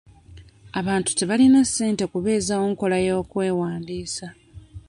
Abantu tebalina ssente kubeezawo nkola y'okwewandiisa.